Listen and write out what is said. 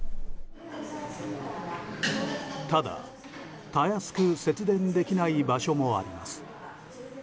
ただ、たやすく節電できない場所もあります。